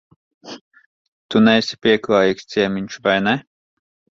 Tu neesi pieklājīgs ciemiņš, vai ne?